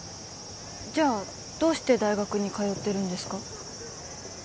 じゃあどうして大学に通ってるんですか？